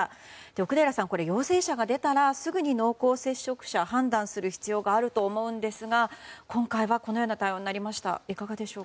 奥寺さん、陽性者が出たらすぐに濃厚接触者を判断する必要があると思うんですが今回は、このような対応になりました。